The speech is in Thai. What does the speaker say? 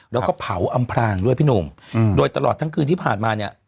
แล้วก็เผาอำพลางด้วยพี่หนุ่มโดยตลอดทั้งคืนที่ผ่านมาเนี่ย